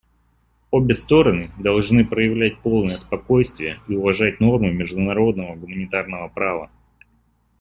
Обе стороны должны проявлять полное спокойствие и уважать нормы международного гуманитарного права.